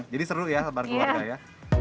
jadi seru ya sabar keluarga ya